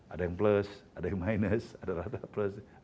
ada yang plus ada yang minus ada rata plus